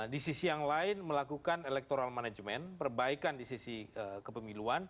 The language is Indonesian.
di sisi yang lain melakukan electoral management perbaikan di sisi kepemiluan